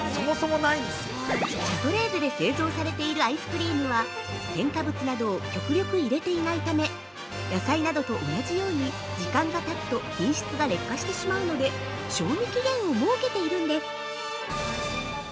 ◆シャトレーゼで製造されているアイスクリームは添加物などを極力入れていないため野菜などと同じように時間がたつと品質が劣化してしまうので賞味期限を設けているんです。